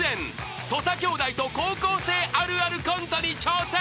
［土佐兄弟と高校生あるあるコントに挑戦］